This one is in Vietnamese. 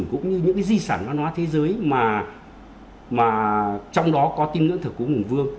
cũng như những cái di sản văn hóa thế giới mà trong đó có tin ngưỡng thật của mùng vương